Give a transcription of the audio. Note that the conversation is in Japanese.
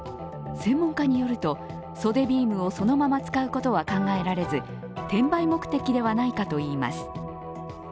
専門家によると、袖ビームをそのまま使うことは考えられず転売目的ではないかといいます。